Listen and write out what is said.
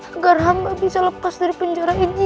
agar hamba bisa lepas dari penjara ini